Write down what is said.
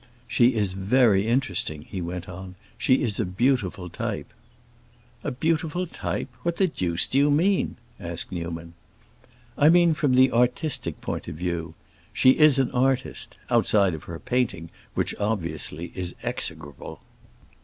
"She is very interesting," he went on. "She is a beautiful type." "A beautiful type? What the deuce do you mean?" asked Newman. "I mean from the artistic point of view. She is an artist,—outside of her painting, which obviously is execrable."